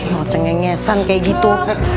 lo cengengesan kayak gitu